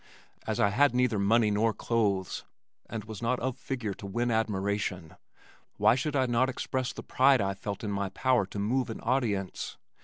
As I had neither money nor clothes, and was not of figure to win admiration, why should I not express the pride I felt in my power to move an audience?